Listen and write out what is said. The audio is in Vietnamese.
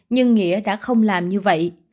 nhưng nghĩa đã không làm như vậy